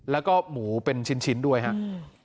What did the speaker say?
แล้วก็หมูเป็นชิ้นด้วยครับ